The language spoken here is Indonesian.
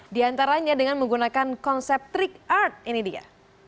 di antaranya dengan menggunakan konsep trick art ini dia